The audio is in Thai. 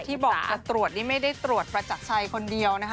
ที่บอกจะตรวจนี่ไม่ได้ตรวจประจักรชัยคนเดียวนะคะ